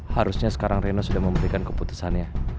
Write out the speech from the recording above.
harusnya sekarang reno sudah memberikan keputusannya